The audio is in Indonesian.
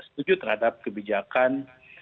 setuju terhadap kebijakan